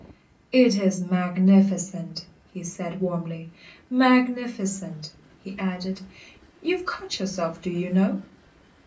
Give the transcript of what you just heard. "It is magnificent," he said warmly, "magnificent." He added: "You've cut yourself, do you know?"